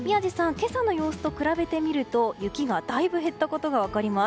今朝の様子と比べてみると雪がだいぶ減ったことが分かります。